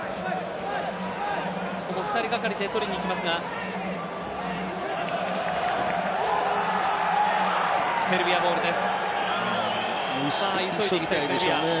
２人がかりで取りにいきますがセルビアボールです。